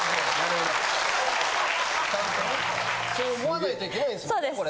そう思わないといけないんですもんこれね。